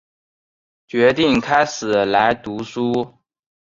决定开始来读书